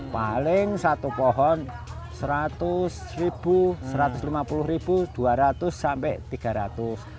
paling satu pohon seratus satu ratus lima puluh dua ratus sampai rp tiga ratus